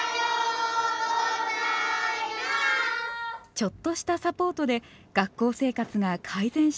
ちょっとしたサポートで学校生活が改善した人がいます。